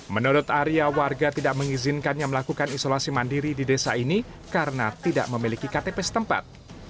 menurut arya warga tidak mengizinkannya melakukan isolasi mandiri di desa ini karena tidak memiliki ktp setempat